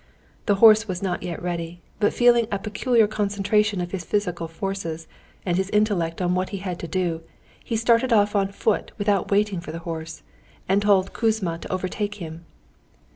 The horse was not yet ready, but feeling a peculiar concentration of his physical forces and his intellect on what he had to do, he started off on foot without waiting for the horse, and told Kouzma to overtake him.